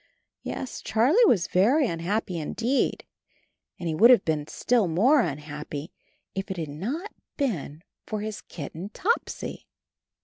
Yes, Charlie felt very unhappy indeed, and he would have been still more unhappy if it had not been for his kitten Topsy.